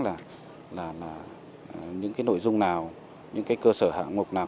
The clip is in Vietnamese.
là những nội dung nào những cơ sở hạng mục nào